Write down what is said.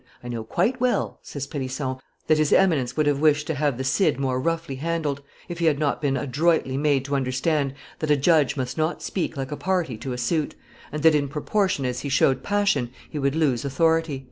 "I know quite well," says Pellisson, "that his Eminence would have wished to have the Cid more roughly handled, if he had not been adroitly made to understand that a judge must not speak like a party to a suit, and that in proportion as he showed passion, he would lose authority."